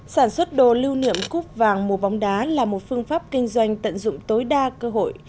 sản xuất đồ lưu niệm cúp vàng mùa bóng đá là một phương pháp kinh doanh tận dụng tối đa cơ hội